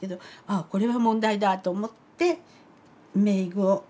あこれは問題だと思って「美国」